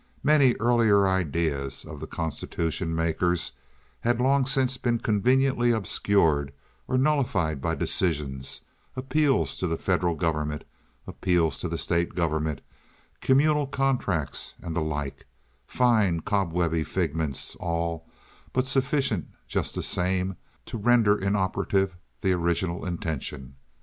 Many earlier ideals of the constitution makers had long since been conveniently obscured or nullified by decisions, appeals to the federal government, appeals to the state government, communal contracts, and the like—fine cobwebby figments, all, but sufficient, just the same, to render inoperative the original intention.